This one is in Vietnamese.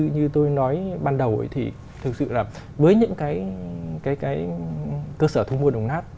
như tôi nói ban đầu thì thực sự là với những cái cơ sở thu mua đồng nát